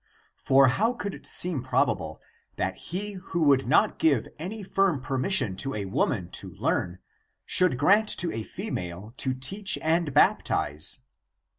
For how could it seem probable that he who would not give any firm permission to a woman to learn should grant to a female to teach and baptize?"